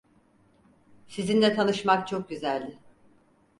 Sizinle tanışmak çok güzeldi.